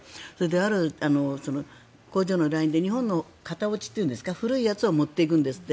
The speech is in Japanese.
ある工場のラインで日本の型落ちというんですか古いやつを持っていくんですって。